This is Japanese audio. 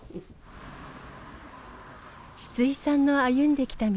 シツイさんの歩んできた道